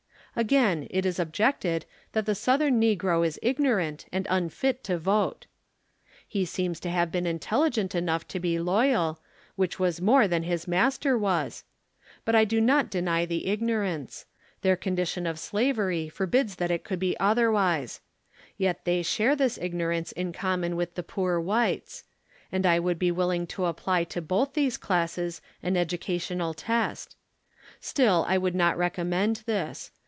Again, it is objected, that the Southern negro is igno rant and unfit to vote. He seems to have been intelligent enough to be lo3'al, which was more than his master was. But I do not deny the ignorance ; their condition of sla very forbids that it could be otherwise. Yet they share this ignorance in common with the poor whites ; and I would be willing to apply to both these classes an educa tional test. Still I would not recommend this.